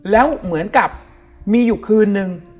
แล้วเหมือนกับมีอยู่คืนนึง